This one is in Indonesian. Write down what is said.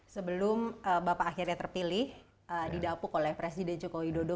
sebelum bapak akhirnya terpilih didapuk oleh presiden joko widodo